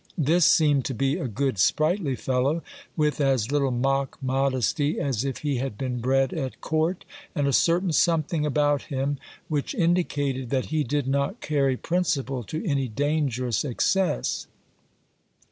This seemed to be a good sprightly fellow, with as little mock modesty as if he had been bred at court, and a certain something about him which indi cated that he did not carry principle to any dangerous excess.